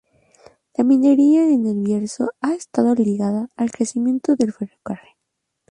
La minería en El Bierzo ha estado ligada al crecimiento del ferrocarril.